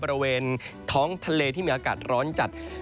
บริเวณท้องทะเลที่มีอากาศร้อนจัด